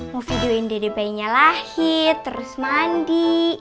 mau videoin dede bayinya lahir terus mandi